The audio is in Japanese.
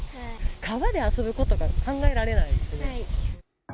川で遊ぶことが考えられないですね。